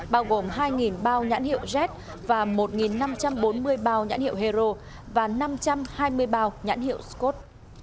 bao gồm hai bao nhãn hiệu z và một năm trăm bốn mươi bao nhãn hiệu hero và năm trăm hai mươi bao nhãn hiệu scot